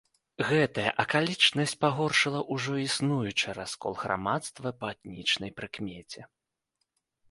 Гэтая акалічнасць пагоршыла ўжо існуючы раскол грамадства па этнічнай прыкмеце.